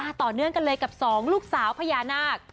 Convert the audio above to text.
ต่อเนื่องกันเลยกับสองลูกสาวพญานาค